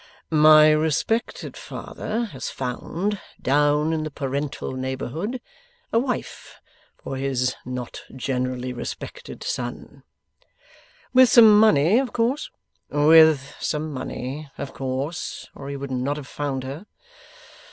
'My respected father has found, down in the parental neighbourhood, a wife for his not generally respected son.' 'With some money, of course?' 'With some money, of course, or he would not have found her.